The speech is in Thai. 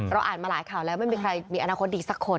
อ่านมาหลายข่าวแล้วไม่มีใครมีอนาคตดีสักคน